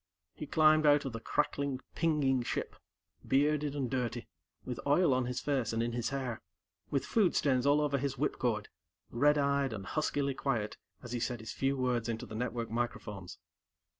He climbed out of the crackling, pinging ship, bearded and dirty, with oil on his face and in his hair, with food stains all over his whipcord, red eyed, and huskily quiet as he said his few words into the network microphones.